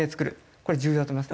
これ重要だと思いますね。